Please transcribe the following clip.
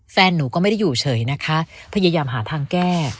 แฟนหนูก็ไม่ได้อยู่เฉยนะคะพยายามหาทางแก้